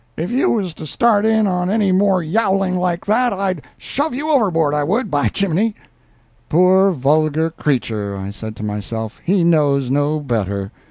If you was to start in on any more yowling like that, I'd shove you overboard—I would, by geeminy." "Poor vulgar creature," I said to myself, "he knows no better.